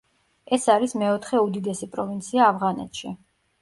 ეს არის მეოთხე უდიდესი პროვინცია ავღანეთში.